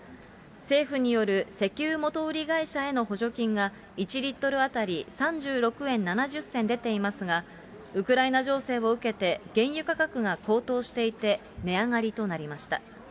政府による石油元売り会社への補助金が、１リットル当たり３６円７０銭出ていますが、ウクライナ情勢を受けて、原油価格が高騰していて、値上がりとなりました。